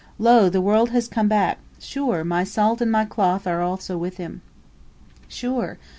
"Lo, the 'World' has come back. Sure. My salt and my cloth are with him also. Sure."